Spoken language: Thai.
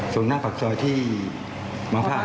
ส่งน้าปากซอยที่ม้องฝ่า